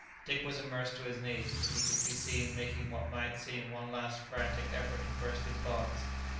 Dick was immersed to his knees, but he could be seen making what might seem one last frantic effort to burst his bonds.